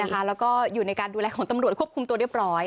แล้วก็อยู่ในการดูแลของตำรวจควบคุมตัวเรียบร้อย